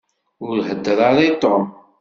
Ur heddeṛ ara i Tom.